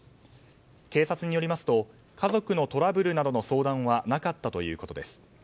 警察によりますと家族のトラブルなどの相談はなかったということです。